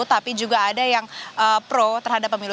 tapi juga ada yang pro terhadap pemilu